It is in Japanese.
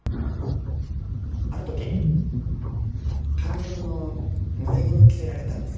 ある時カンニングの濡れ衣を着せられたんです。